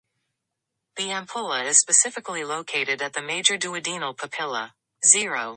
The ampulla is specifically located at the major duodenal papilla.